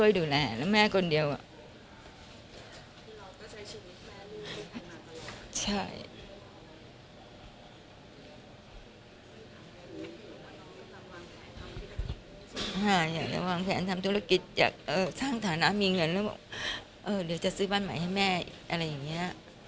อยากจะวางแผนทำธุรกิจอยากสร้างฐานะมีเงินแล้วบอกเดี๋ยวจะซื้อบ้านใหม่ให้แม่อะไรอย่างนี้